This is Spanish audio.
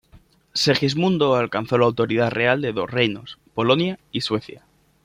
Segismundo alcanzó la autoridad real de dos reinos: Polonia y Suecia.